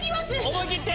思い切って！